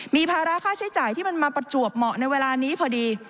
มีภาระค่าใช้จ่ายที่มันมาประจวบเหมาะในเวลานี้พอดี